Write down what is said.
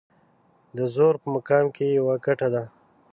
د زور په مقام کې يوه ګټه ده.